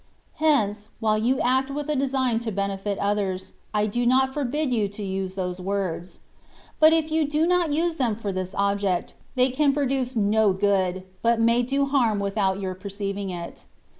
Hence, while you act with a design to benefit others, I do not forbid you to use those words ; but if you do not use them for this object, they can produce no good, but may do harm without your perceiving it.